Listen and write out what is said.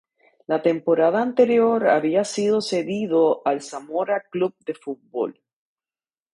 La temporada anterior había sido cedido al Zamora Club de Fútbol.